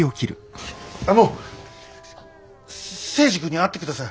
あの征二君に会ってください。